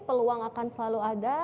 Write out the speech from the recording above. peluang akan selalu ada